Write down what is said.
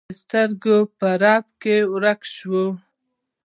د سترګو رپ کې ورک شو